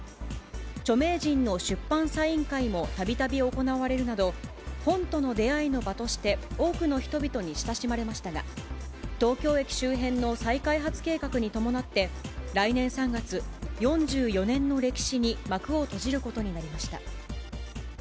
著名人の出版サイン会もたびたび行われるなど、本との出会いの場として多くの人々に親しまれましたが、東京駅周辺の再開発計画に伴って、来年３月、４４年の歴史に幕を閉じることになりました。